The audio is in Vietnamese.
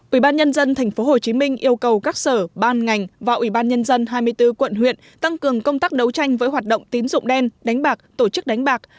ủy ban nhân dân tp hcm yêu cầu các sở ban ngành và ủy ban nhân dân hai mươi bốn quận huyện tăng cường công tác đấu tranh với hoạt động tín dụng đen đánh bạc tổ chức đánh bạc